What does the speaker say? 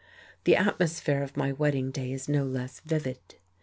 The atmosphere of my wedding day is no less vivid.